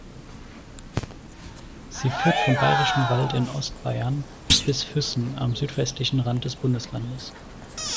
Sie führt vom Bayerischen Wald in Ostbayern bis Füssen am südwestlichen Rand des Bundeslandes.